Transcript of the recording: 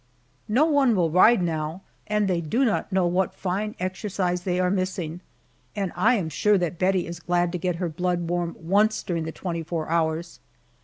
No one will ride now and they do not know what fine exercise they are missing. And I am sure that Bettie is glad to get her blood warm once during the twenty four hours.